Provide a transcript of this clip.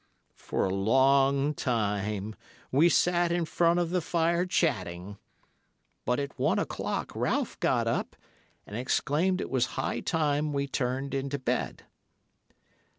"For a long time we sat in front of the fire chatting, but at one o'clock Ralph got up, and exclaimed that it was high time we turned into bed.